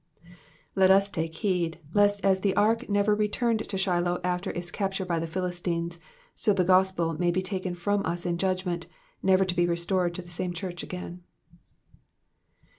'^ Let us take heed, lest as the ark never returned to Shiloh after its capture by the Philistines, so the ffospel may be taken from us in judgment, never to be restored to the same church again.